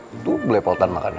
itu blepotan makannya